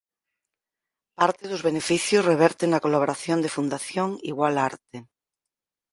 Parte dos beneficios reverten na colaboración de Fundación Igual Arte.